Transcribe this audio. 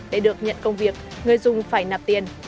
để được nhận công việc người dùng phải nạp tiền